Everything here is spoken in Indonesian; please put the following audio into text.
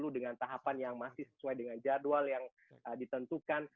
dengan tahapan yang masih sesuai dengan jadwal yang ditentukan